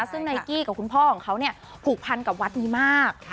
ซึ่งไนกี้กับคุณพ่อของเขาเนี่ยผูกพันกับวัดดีมาก